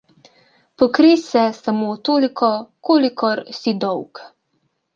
Pokrij se samo toliko, kolikor si dolg.